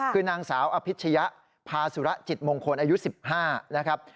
คือนางสาวอภิชยะพาสุระจิตมงคลอายุ๑๕นะครับ